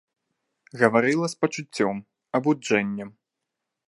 Гаварыла з пачуццём, абуджэннем.